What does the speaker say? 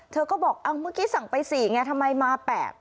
เธอก็บอกเมื่อกี้สั่งไป๔อย่างนี้ทำไมมา๘